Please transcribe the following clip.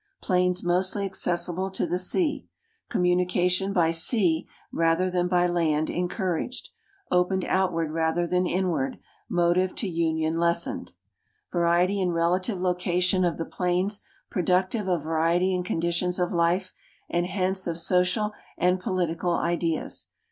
Plains mostly accessible to the sea. Communication by sea rather than by land encouraged. Opened outward rather than inward, motive to union lessened. Variety in relative location of the plains pro ductive of variety in conditions of life, and hence of social and political ideas..